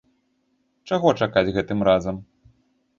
Чаго чакаць гэтым разам?